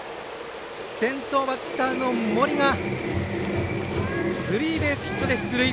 先頭バッターの森がスリーベースヒットで出塁。